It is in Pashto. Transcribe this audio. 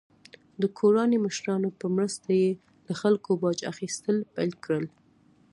د ګوراني مشرانو په مرسته یې له خلکو باج اخیستل پیل کړل.